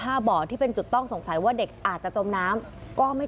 บ่อที่เป็นจุดต้องสงสัยว่าเด็กอาจจะจมน้ำก็ไม่